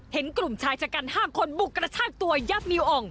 เห็นกลุ่มชายจัดการห้ามคนบุกกระทั่งตัวยับมิวอ่อน